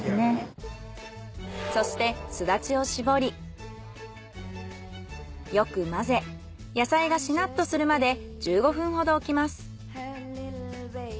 そしてスダチを搾りよく混ぜ野菜がしなっとするまで１５分ほど置きます。